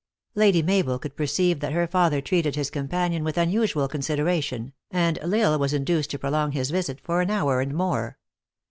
Lady Mabel could perceive that her father treated his companion with unusual consideration, and L Isle was induced to prolong his visit for an hour and more.